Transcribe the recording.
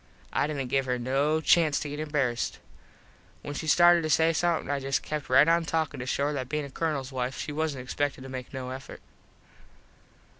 I didnt give her no chanst to get embarassed. When she started to say somethin I just kept right on talkin just to show her that bein a Colonels wife she wasnt expected to make no effort.